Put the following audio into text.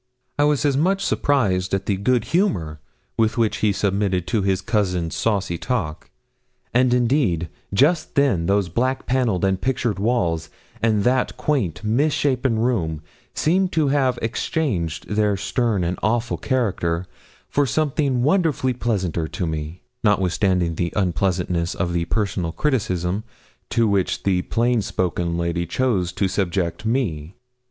I was as much surprised at the good humour with which he submitted to his cousin's saucy talk; and, indeed, just then those black panelled and pictured walls, and that quaint, misshapen room, seemed to have exchanged their stern and awful character for something wonderfully pleasanter to me, notwithstanding the unpleasantness of the personal criticism to which the plain spoken lady chose to subject me.